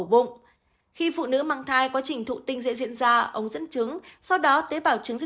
bụng khi phụ nữ mang thai quá trình thụ tinh sẽ diễn ra ống dẫn trứng sau đó tế bào trứng sẽ